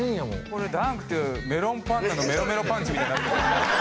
これダンクっていうよりメロンパンナのメロメロパンチみたいになってる。